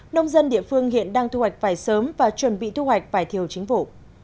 nông dân địa phương hiện đang thu hoạch vải sớm và chuẩn bị thu hoạch vải thiều chính vụ